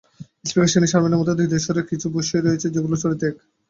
Speaker Shirin শারমিনের মতে, দুই দেশেরই কিছু বিষয় রয়েছে যেগুলোর চরিত্র এক।